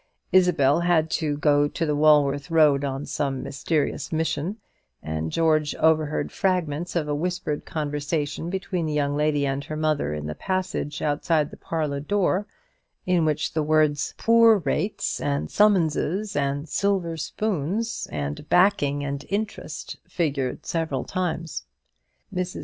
Isabel had to go to the Walworth Road on some mysterious mission; and George overheard fragments of a whispered conversation between the young lady and her mother in the passage outside the parlour door, in which the word "poor's rates," and "summonses," and "silver spoons," and "backing," and "interest," figured several times. Mrs.